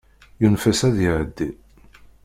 Yunef-as ad iɛeddi.